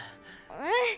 うん。